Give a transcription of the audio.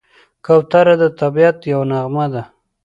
کوتره د طبیعت یوه نغمه ده.